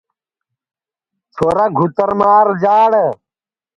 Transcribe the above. چھورا گھُوتر مار جاݪ